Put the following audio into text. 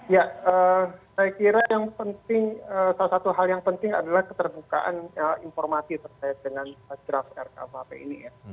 ya saya kira yang penting salah satu hal yang penting adalah keterbukaan informasi terkait dengan draft rkuhp ini ya